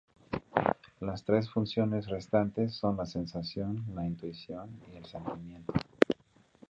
Las tres funciones restantes son la sensación, la intuición y el sentimiento.